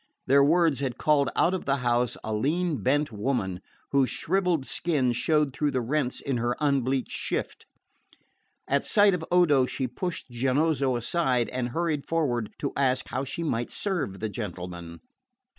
Their words had called out of the house a lean bent woman, whose shrivelled skin showed through the rents in her unbleached shift. At sight of Odo she pushed Giannozzo aside and hurried forward to ask how she might serve the gentleman.